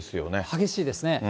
激しいですね。